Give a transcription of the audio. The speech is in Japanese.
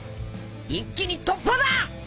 一気に突破だ！